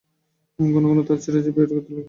ঘন-ঘন তার চেরা জিব বের করতে লাগল।